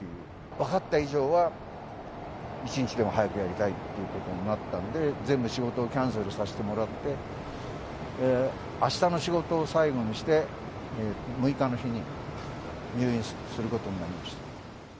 分かった以上は、一日でも早くやりたいっていうことになったんで、全部仕事をキャンセルさせてもらって、あしたの仕事を最後にして、６日の日に入院することになりました。